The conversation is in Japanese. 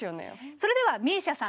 それではＭＩＳＩＡさん